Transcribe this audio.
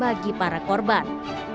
bagi para korban